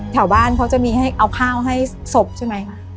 แถวบ้านเขาจะมีเป็นเอาข้าวให้สบใช่ไหม